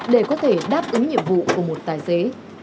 để có thể đáp ứng nhiệm vụ của một tài xế